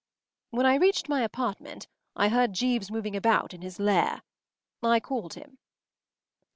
When I reached my apartment I heard Jeeves moving about in his lair. I called him.